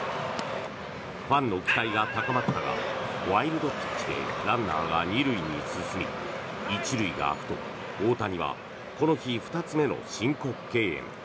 ファンの期待が高まったがワイルドピッチでランナーが２塁に進み１塁が空くと大谷はこの日２つ目の申告敬遠。